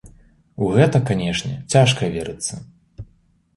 У гэта, канечне, цяжка верыцца.